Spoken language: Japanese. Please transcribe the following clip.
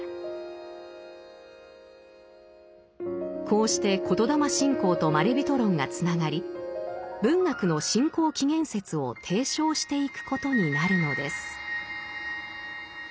こうして言霊信仰とまれびと論がつながり文学の信仰起源説を提唱していくことになるのです。